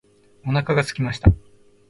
お腹が空きました。